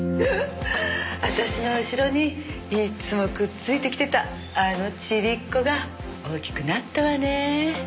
私の後ろにいつもくっついてきてたあのちびっこが大きくなったわね。